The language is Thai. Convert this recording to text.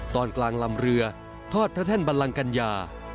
ตอนกลางลำเรือทอดพระแท่นบัลลังกัญญา